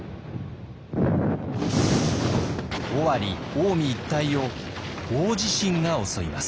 尾張・近江一帯を大地震が襲います。